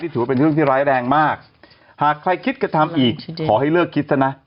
ถือว่าเป็นเรื่องที่ร้ายแรงมากหากใครคิดกระทำอีกขอให้เลิกคิดซะนะ